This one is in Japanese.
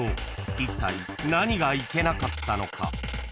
［いったい何がいけなかったのか？］